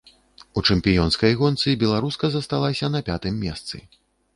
У чэмпіёнскай гонцы беларуска засталася на пятым месцы.